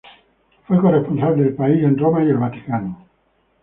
Fue corresponsal de "El País" en Roma y el Vaticano.